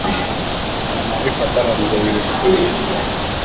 Ana maarifa sana mzee yule